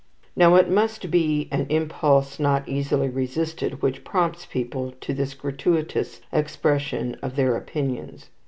Now it must be an impulse not easily resisted which prompts people to this gratuitous expression of their opinions.